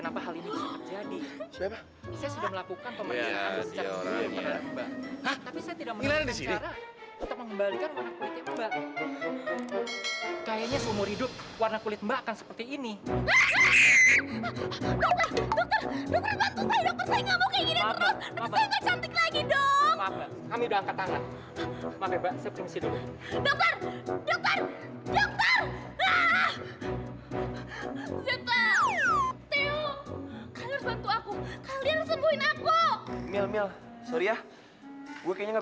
sampai jumpa di video selanjutnya